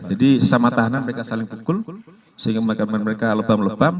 sama tahanan mereka saling pukul sehingga mereka lebam lebam